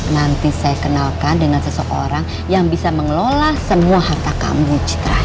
nanti saya akan mengenalkan seseorang yang bisa mengelola semua harta kamu gitra